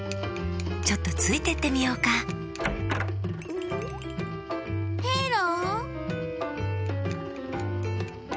ちょっとついてってみようかペロ？